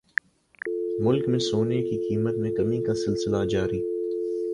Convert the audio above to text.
ملک میں سونے کی قیمت میں کمی کا سلسلہ جاری